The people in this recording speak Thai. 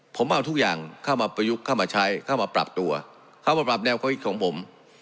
ผมเอาทุกอย่างเข้ามาประยุกต์เข้ามาใช้เข้ามาปรับตัวเข้ามาปรับแนวความคิดของผม